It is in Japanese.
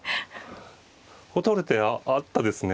こう取る手あったですね。